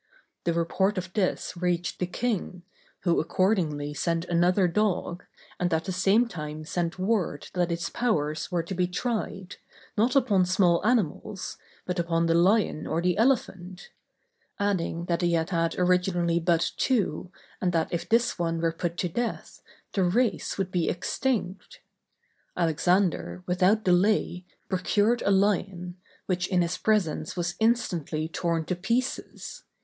The report of this reached the king, who accordingly sent another dog, and at the same time sent word that its powers were to be tried, not upon small animals, but upon the lion or the elephant; adding that he had had originally but two, and that if this one were put to death, the race would be extinct. Alexander, without delay, procured a lion, which in his presence was instantly torn to pieces.